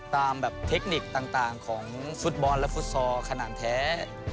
ตามแบบเทคนิคต่างของฟุตบอลและฟุตซอลขนาดแท้